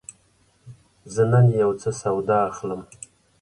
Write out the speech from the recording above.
زه نن یوڅه سودا اخلم.